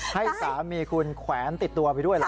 ให้สามีคุณแขวนติดตัวไปด้วยเหรอ